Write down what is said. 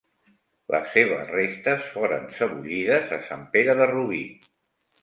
Les seves restes foren sebollides a Sant Pere de Rubí.